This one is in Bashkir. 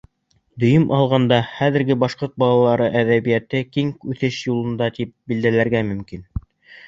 Дөйөм алғанда, хәҙерге башҡорт балалар әҙәбиәте киң үҫеш юлында, тип билдәләргә мөмкин.